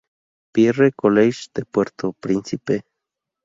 Pierre College de Puerto Príncipe.